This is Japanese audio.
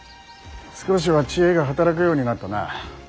少しは知恵が働くようになったな。